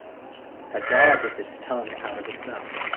A dog with its tongue out of its mouth.